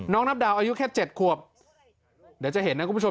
นับดาวอายุแค่๗ขวบเดี๋ยวจะเห็นนะคุณผู้ชม